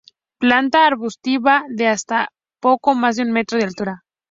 Planta arbustiva de hasta poco más de un metro de altura.